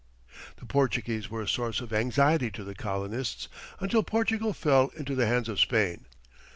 The Portuguese were a source of anxiety to the colonists until Portugal fell into the hands of Spain.